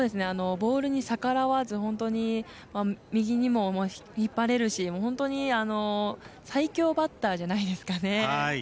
ボールに逆らわず本当に右にも引っ張れるし最強バッターじゃないですかね。